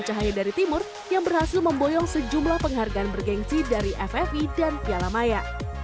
tak hanya dari timur yang berhasil memboyong sejumlah penghargaan bergensi dari ffi dan piala maya